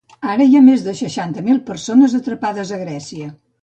Ara hi ha més de seixanta mil persones atrapades a Grècia.